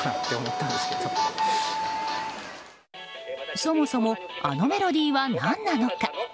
そもそもあのメロディーは何なのか。